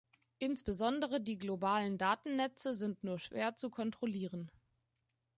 Insbesondere die globalen Datennetze sind nur schwer zu kontrollieren.